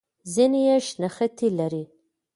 ځینې یې شنختې لري.